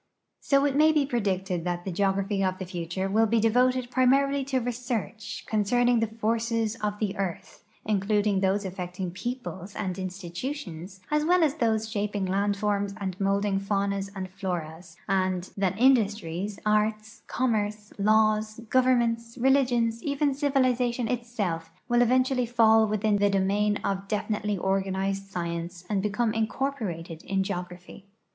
So it may be predicted that the geogra|)hy of the future will be devoted primarily to research concerning the forces of the earth, including those affecting peoi)les and institutions as well as those shaping land forms and molding faunas and floras, and that industries, arts, commerce, laws, governments, religions, even civilization itself, will eventually fall within the domain of defi nitely organized science and become incorporated in geography.